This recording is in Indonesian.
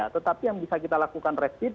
tetapi yang bisa kita lakukan rapid